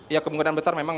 ya kemungkinan besar memang